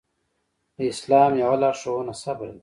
د اسلام يوه لارښوونه صبر ده.